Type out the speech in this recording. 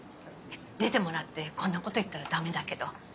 出てもらってこんなこと言ったらダメだけど。